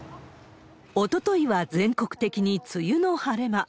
おとといは全国的に梅雨の晴れ間。